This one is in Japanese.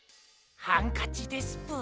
ハンカチですぷ。